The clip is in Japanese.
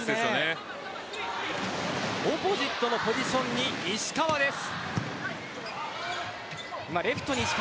オポジットのポジションに石川です。